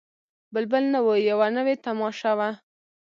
بلبل نه وو یوه نوې تماشه وه